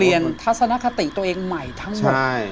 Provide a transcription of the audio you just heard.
ทัศนคติตัวเองใหม่ทั้งหมด